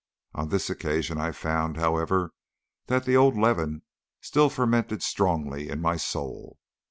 On this occasion I found, however, that the old leaven still fermented strongly in my soul.